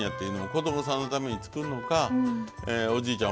子供さんのために作るのかおじいちゃん